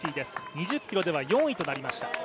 ２０ｋｍでは４位となりました。